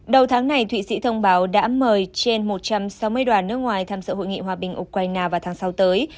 đầu tháng này thụy sĩ thông báo đã mời trên một trăm sáu mươi đoàn nước ngoài tham sự hội nghị hòa bình ukraine vào tháng sáu tới